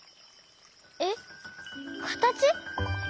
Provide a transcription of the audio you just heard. えっかたち？